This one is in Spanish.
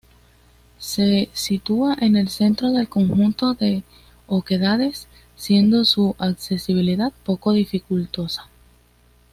Se sitúa en el centro del conjunto de oquedades, siendo su accesibilidad poco dificultosa.